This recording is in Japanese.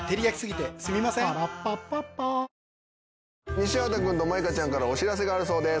西畑君と舞香ちゃんからお知らせがあるそうです。